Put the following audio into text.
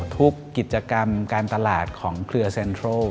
กิจกรรมการตลาดของเครือเซ็นทรัล